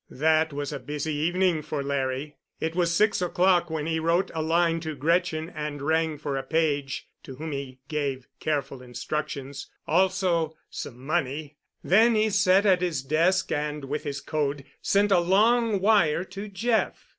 That was a busy evening for Larry. It was six o'clock when he wrote a line to Gretchen and rang for a page, to whom he gave careful instructions—also, some money. Then he sat at his desk and with his code sent a long wire to Jeff.